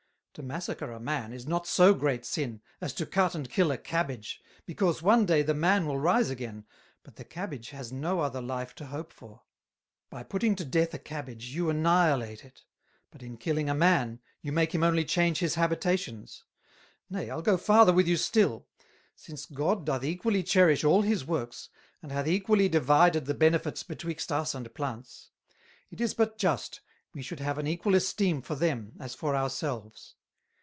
To massacre a Man, is not so great Sin, as to cut and kill a Cabbage, because one day the Man will rise again, but the Cabbage has no other Life to hope for: By putting to death a Cabbage, you annihilate it; but in killing a Man, you make him only change his Habitations Nay, I'll go farther with you still: since God doth equally cherish all his Works, and hath equally divided the Benefits betwixt Us and Plants, it is but just we should have an equal Esteem for Them as for our Selves.